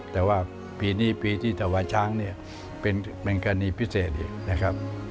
แต่ว่าปีนี้ที่ถวายช้างเนี่ยเป็นการีพิเศษอีก